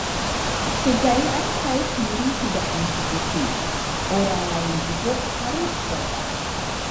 Kejayaan saya sendiri tidak mencukupi, orang lain juga harus gagal.